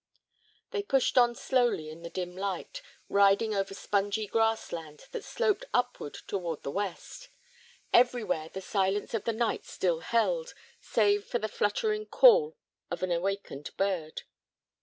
They pushed on slowly in the dim light, riding over spongy grass land that sloped upward toward the west. Everywhere the silence of the night still held, save for the fluttering call of an awakened bird.